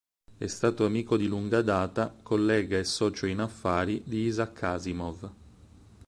È stato amico di lunga data, collega e socio in affari di Isaac Asimov.